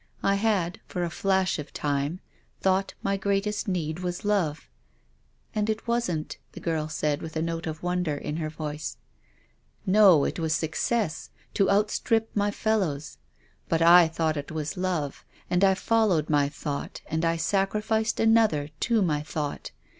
I had, for a flash of time, thought my greatest need was love." THE DEAD CHILD. 205 " And it wasn't," the girl said, with a note of wonder in her voice. " No, it was success, to outstrip my fellows. But I thought it was love, and I followed my thought and I sacrificed another to my thought.